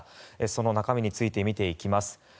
その中身について見ていきます。